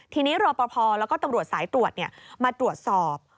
ทีนี้รอปภแล้วก็ตำรวจสายตรวจมาตรวจสอบ